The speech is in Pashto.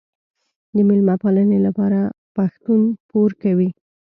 د میلمه پالنې لپاره پښتون پور کوي.